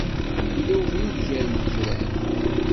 Yella ubrid gar yigran.